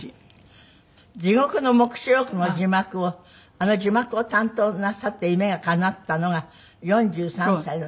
『地獄の黙示録』の字幕をあの字幕を担当なさって夢がかなったのが４３歳の時。